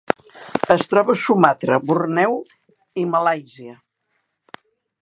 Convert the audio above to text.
Es troba a Sumatra, Borneo i Malàisia.